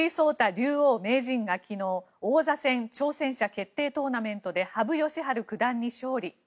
竜王・名人が昨日王座戦挑戦者決定トーナメントで羽生善治九段に勝利。